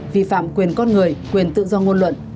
vi phạm quyền con người quyền tự do ngôn luận